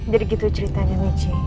jadi gitu ceritanya michi